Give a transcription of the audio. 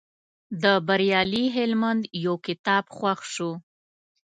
د بریالي هلمند یو کتاب خوښ شو.